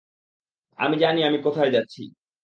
আমি জানি আমি কোথায় যাচ্ছি।